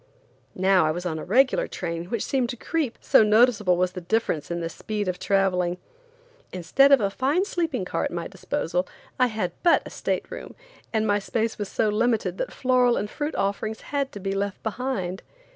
Now I was on a regular train which seemed to creep, so noticeable was the difference in the speed of traveling. Instead of a fine sleeping car at my disposal, I had but a state room, and my space was so limited that floral and fruit offerings had to be left behind.